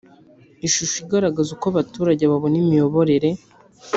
Ishusho igaragaza uko abaturage babona imiyoborere